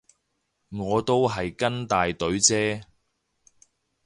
我都係跟大隊啫